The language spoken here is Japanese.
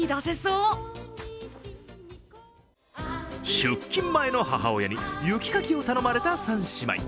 出勤前の母親に雪かきを頼まれた３姉妹。